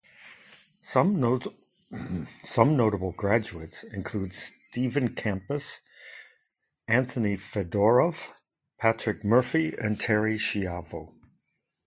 Some notable graduates include Steve Capus, Anthony Fedorov, Patrick Murphy and Terri Schiavo.